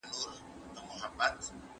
ټول انسانان په نړۍ کې یو ډول دي.